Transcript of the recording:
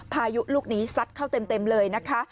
พายุลูกนี้ซัดเข้าเต็มเลยนะคะ